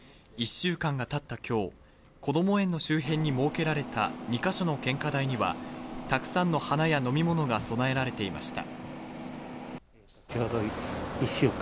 １週間が経った今日、こども園の周辺に設けられた２か所の献花台にはたくさんの花や、飲み物が供えられていました。